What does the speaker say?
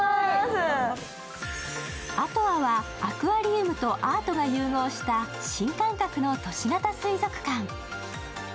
ａｔｏａはアクアリウムとアートが融合した新感覚の都市型水族館。